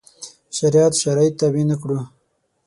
شریعت شرایط تابع نه کړو.